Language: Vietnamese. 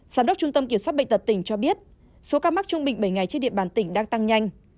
giám đốc trung tâm kiểm soát bệnh tật tỉnh cho biết số ca mắc trung bình bảy ngày trên địa bàn tỉnh đang tăng nhanh